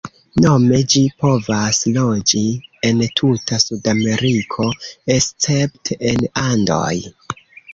Nome ĝi povas loĝi en tuta Sudameriko, escepte en Andoj.